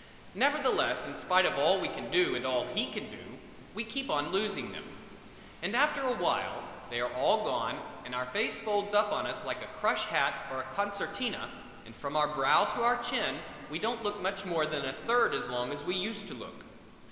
Nevertheless, in spite of all we can do and all he can do, we keep on losing them. And after awhile, they are all gone and our face folds up on us like a crush hat or a concertina and from our brow to our chin we don't look much more than a third as long as we used to look.